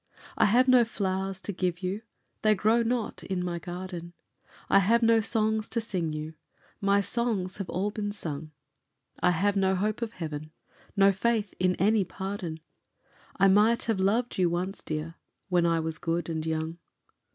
I have no flowers to give you, they grow not in my garden; I have no songs to sing you, my songs have all been sung; I have no hope of heaven, no faith in any pardon, I might have loved you once, dear, when I was good and young.